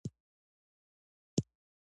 پښتو د افغانستان په رسنیو کې یو قوي حضور لري.